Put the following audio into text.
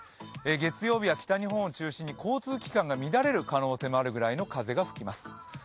月曜日は基本を中心に交通機関が乱れる可能性があるぐらいの風が吹きます。